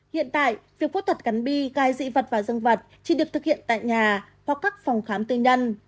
hiện tại việc phẫu thuật cắn bi gai dị vật vào dương vật chỉ được thực hiện tại nhà hoặc các phòng khám tư nhân